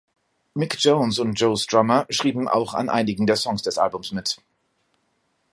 Mick Jones und Joe Strummer schrieben auch an einigen der Songs des Albums mit.